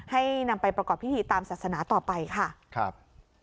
นำไปประกอบพิธีตามศาสนาต่อไปค่ะครับ